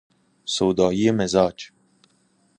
سودایی مزاج